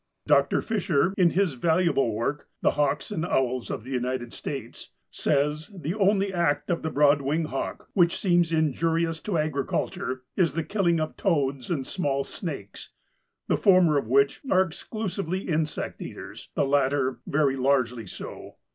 Dr. Fisher, in his valuable work, "The Hawks and Owls of the United States," says: "The only act of the Broad winged Hawk which seems injurious to agriculture is the killing of toads and small snakes, the former of which are exclusively insect eaters, the latter very largely so.